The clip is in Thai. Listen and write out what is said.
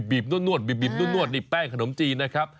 บีบนวดแป้งขนมจีน